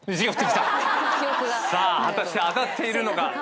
さあ果たして当たっているのか？